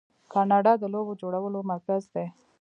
کاناډا د لوبو جوړولو مرکز دی.